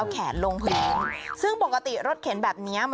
แขนลงพื้นซึ่งปกติรถเข็นแบบนี้